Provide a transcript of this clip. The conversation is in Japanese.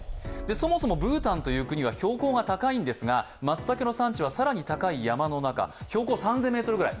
そもそもブータンという国は標高が高いんですが松茸の産地は更に高い山の中標高３０００ｍくらい。